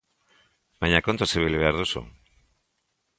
Baina kontuz ibili behar duzu.